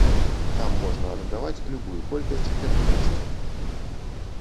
Там можна арандаваць любую колькасць ферма-месцаў.